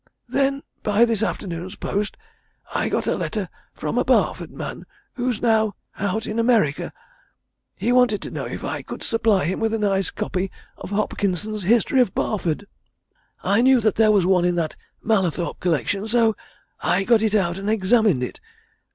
Then by this afternoon's post I got a letter from a Barford man who's now out in America. He wanted to know if I could supply him with a nice copy of Hopkinson's History of Barford. I knew there was one in that Mallathorpe collection, so I got it out, and examined it.